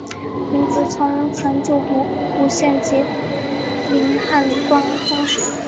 林子聪曾就读五旬节林汉光中学。